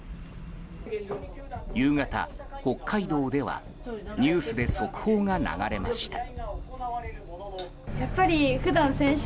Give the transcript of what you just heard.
夕方、北海道ではニュースで速報が流れました。